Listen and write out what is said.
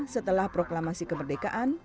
setelah proklamasi kemerdekaan